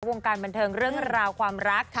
วงการบันเทิงเรื่องราวความรัก